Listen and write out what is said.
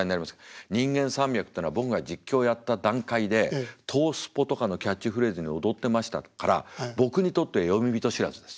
「人間山脈」ってのは僕が実況やった段階で「東スポ」とかのキャッチフレーズに躍ってましたから僕にとっては詠み人知らずです。